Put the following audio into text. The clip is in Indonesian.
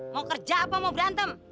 mau kerja apa mau berantem